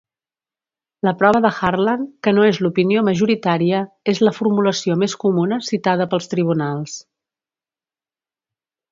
La prova de Harlan, que no és l'opinió majoritària, és la formulació més comuna citada pels tribunals.